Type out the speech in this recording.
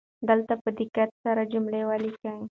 دلته په دقت سره جملې ولیکئ.